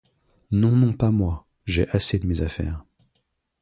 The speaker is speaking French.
Non, non, pas moi ! j’ai assez de mes affaires…